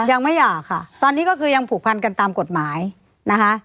ไม่อยากค่ะตอนนี้ก็คือยังผูกพันกันตามกฎหมายนะคะ